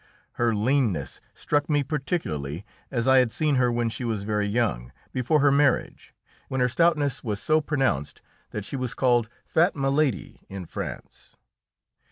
Her leanness struck me particularly, as I had seen her when she was very young, before her marriage, when her stoutness was so pronounced that she was called "Fat Milady" in France.